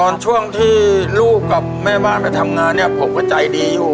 ช่วงที่ลูกกับแม่บ้านไปทำงานเนี่ยผมก็ใจดีอยู่